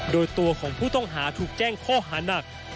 โดยตัวของผู้ต้องหาถูกแจ้งข้อหานัก